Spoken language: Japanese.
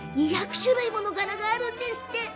２００種類もの柄があるんですって。